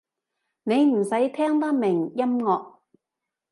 你唔使聽得明音樂